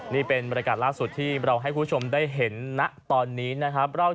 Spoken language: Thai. นี่เป็นบรรยากาศล่าสุดที่เราให้คุณผู้ชมได้เห็นณตอนนี้นะครับ